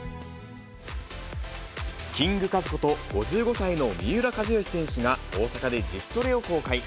キングカズこと、５５歳の三浦知良選手が、大阪で自主トレを公開。